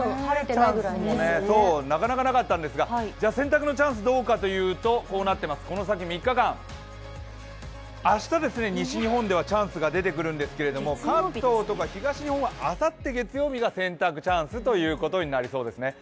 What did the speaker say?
なかなかなかったんですが洗濯のチャンスはどうかというとこの先３日間、明日、西日本ではチャンスが出てくるんですけれども、関東とか東日本はあさって月曜日が洗濯チャンスということになりそうです。